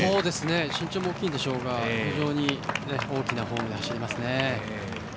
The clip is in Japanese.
身長も大きいんでしょうが非常に大きなフォームで走ります。